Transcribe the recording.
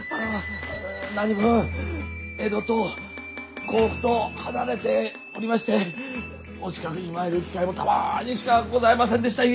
何分江戸と甲府と離れておりましてお近くに参る機会もたまにしかございませんでした故！